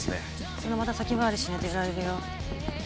そのまた先回りしないとやられるよ。